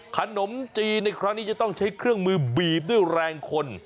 ขนมจีนในครั้งนี้จะต้องใช้เครื่องมือบีบด้วยแรงคน